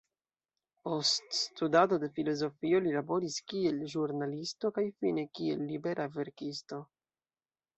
Post studado de filozofio li laboris kiel ĵurnalisto kaj fine kiel libera verkisto.